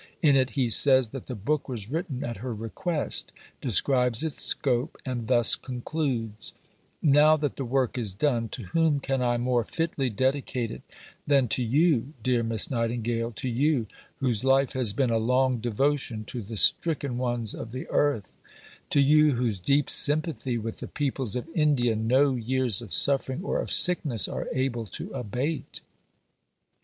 In it he says that the book was written at her request, describes its scope, and thus concludes: "Now that the work is done, to whom can I more fitly dedicate it than to you, dear Miss Nightingale to you whose life has been a long devotion to the stricken ones of the earth to you whose deep sympathy with the peoples of India no years of suffering or of sickness are able to abate?"